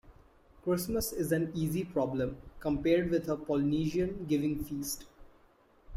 Christmas is an easy problem compared with a Polynesian giving-feast.